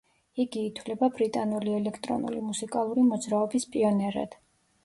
იგი ითვლება ბრიტანული ელექტრონული მუსიკალური მოძრაობის პიონერად.